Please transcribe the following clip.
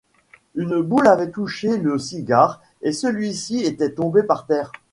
Une boule avait touché le cigare et celui-ci était tombé par terre.